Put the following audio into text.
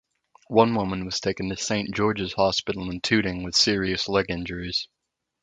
One woman was taken to Saint George's Hospital in Tooting with serious leg injuries.